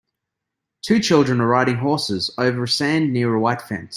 Two children are riding horses over sand near a white fence.